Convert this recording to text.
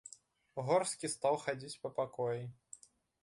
Горскі стаў хадзіць па пакоі.